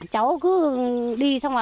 cháu cứ đi xong là